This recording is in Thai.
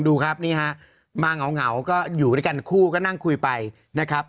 ดูครับนี่ฮะมาเหงาก็อยู่ด้วยกันคู่ก็นั่งคุยไปนะครับ